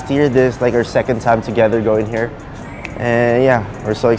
เชื่อดีทีที่มาประเทศไทย